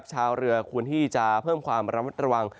ชาวเรือควรที่จะเพิ่มความระมัดระวัง